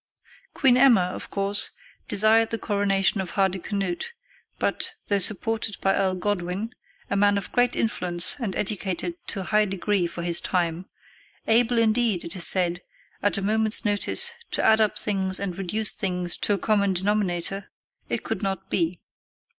Queen Emma, of course, desired the coronation of Hardicanute, but, though supported by Earl Godwin, a man of great influence and educated to a high degree for his time, able indeed, it is said, at a moment's notice, to add up things and reduce things to a common denominator, it could not be.